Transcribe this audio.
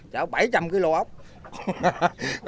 chở bảy trăm linh kg ốc